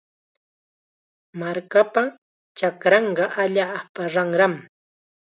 Markapa chakranqa allaapa ranram.